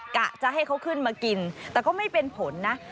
กะจะให้เขาขึ้นมากินแต่ก็ไม่เป็นผลนะ